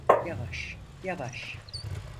Yavaş, yavaş.